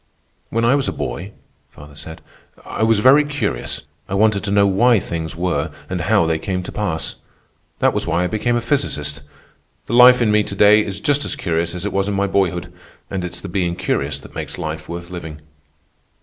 "When I was a boy," father said, "I was very curious. I wanted to know why things were and how they came to pass. That was why I became a physicist. The life in me to day is just as curious as it was in my boyhood, and it's the being curious that makes life worth living."